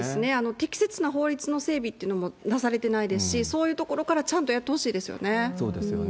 適切な法律の整備というのもなされてないですし、そういうところもちゃんとやってほしいですよね。